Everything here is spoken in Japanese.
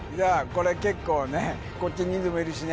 これ結構ねこっち人数もいるしね